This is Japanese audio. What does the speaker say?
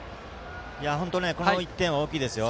この１点は大きいですよ。